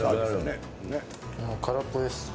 もう空っぽです。